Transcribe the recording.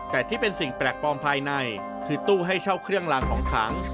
แต่ที่เป็นสิ่งแปลกปลอมภายในคือตู้ให้เช่าเครื่องลางของขัง